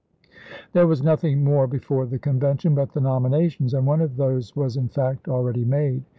pp 556 558. There was nothing more before the Convention but the nominations, and one of those was in fact already made.